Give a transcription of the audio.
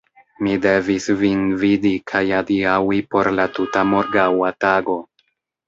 Mi devis vin vidi kaj adiaŭi por la tuta morgaŭa tago.